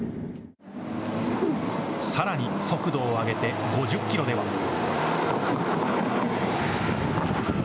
さらに速度を上げて５０キロでは。